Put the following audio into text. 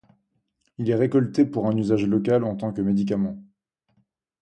Il est récolté pour un usage local en tant que médicament.